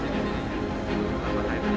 eth ada tuh